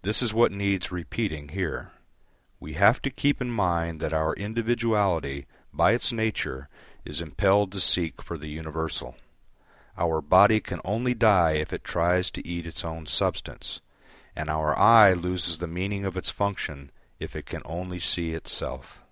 This is what needs repeating here. We have to keep in mind that our individuality by its nature is impelled to seek for the universal. Our body can only die if it tries to eat its own substance, and our eye loses the meaning of its function if it can only see itself.